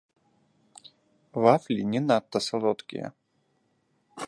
Вафлі не надта салодкія.